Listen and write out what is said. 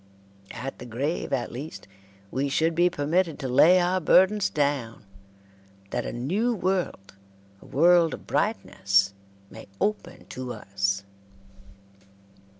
At the grave, at least, we should be permitted to lay our burdens down, that a new world, a world of brightness, may open to us.